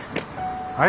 はい？